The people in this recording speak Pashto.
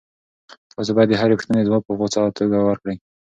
تاسي باید د هرې پوښتنې ځواب په غوڅه توګه ورکړئ.